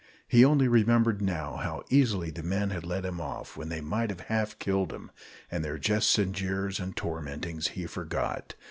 He only remembered now how easily the men had let him off, when they might have half killed him; and their jests and jeers and tormentings he forgot.